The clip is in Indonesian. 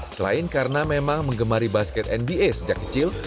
selain karena memang mengemari basket nba sejak kecil